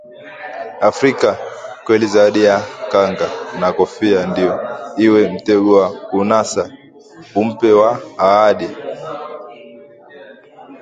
Afrika! Kweli zawadi ya kanga? Na kofia ndio iwe mtego wa kunasa? Umpe wa ahadi